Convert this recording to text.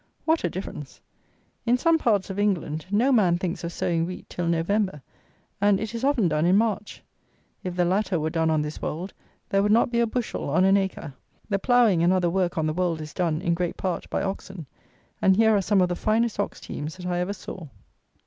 What a difference! In some parts of England, no man thinks of sowing wheat till November, and it is often done in March. If the latter were done on this Wold there would not be a bushel on an acre. The ploughing and other work, on the Wold, is done, in great part, by oxen, and here are some of the finest ox teams that I ever saw.